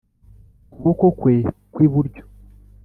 kuboko kwe kw iburyo